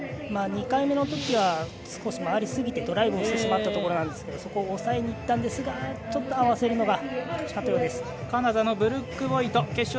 ２回目のときは少し回りすぎてドライブしてしまったところがあるんですがそこを抑えにいったんですがちょっと合わせるのが惜しかったようです。